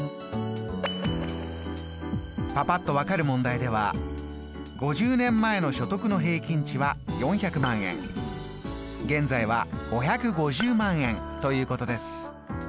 パパっと分かる問題では５０年前の所得の平均値は４００万円現在は５５０万円ということです。